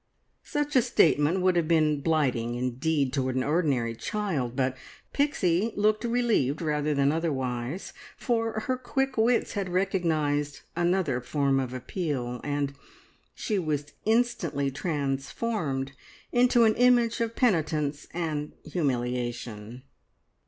Such a statement would have been blighting indeed to an ordinary child, but Pixie looked relieved rather than otherwise, for her quick wits had recognised another form of appeal, and she was instantly transformed into an image of penitence and humiliation.